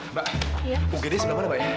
mbak ugd sebelah mana mbak ya